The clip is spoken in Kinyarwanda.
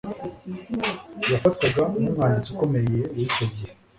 Yafatwaga nkumwanditsi ukomeye wicyo gihe